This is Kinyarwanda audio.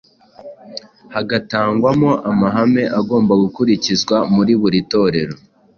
hagatangwamo amahame agomba gukurikizwa muri buri torero